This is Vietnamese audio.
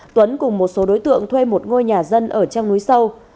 tuấn cùng một số đối tượng thuê một ngôi nhà dân ở trong núi sâu